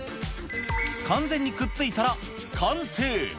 完全にくっついたら完成。